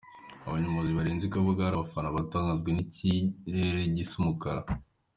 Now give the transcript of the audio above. Abanyonzi barenze i Kabuga ahari abafana batakanzwe n’ikirere gisa umukara.